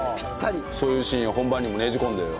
そういうシーンを本番にもねじ込んでよ。